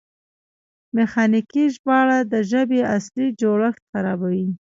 میخانیکي ژباړه د ژبې اصلي جوړښت خرابوي.